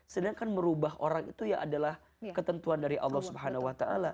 sedangkan merubah orang itu ya adalah ketentuan dari allah swt